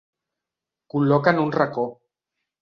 Col·loca en un racó.